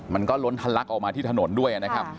มันก็ล้นทันลักษณ์ออกมาที่ถนนด้วย